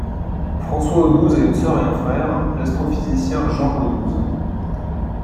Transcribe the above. François Audouze a une sœur et un frère, l'astrophysicien Jean Audouze.